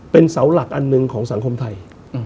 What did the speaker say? เป็นเสาหลักอันหนึ่งของสังคมไทย